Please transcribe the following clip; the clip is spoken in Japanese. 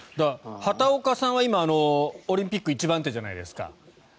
畑岡さんは今オリンピック１番手じゃないですか。